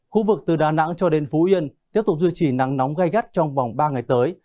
khu vực từ đà nẵng cho đến phú yên tiếp tục duy trì nắng nóng gai gắt trong vòng ba ngày tới